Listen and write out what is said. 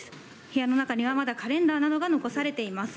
部屋の中には、まだカレンダーなどが残されています。